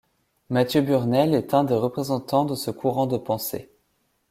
Mathieu Burnel est un des représentants de ce courant de pensée.